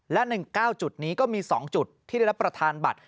และ๑๙จุดนี้ก็มี๒จุดที่ได้รับประทานบัตร